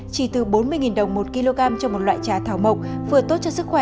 chỉ từ bốn mươi đồng một kg cho một loại trà thảo mộc vừa tốt cho sức khỏe vừa dưỡng da